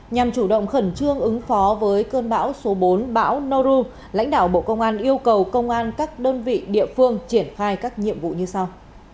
nhằm chủ động khẩn trương ứng phó với cơn bão số bốn bão noru lãnh đạo bộ công an yêu cầu công an các đơn vị địa phương triển khai các nhiệm vụ như sau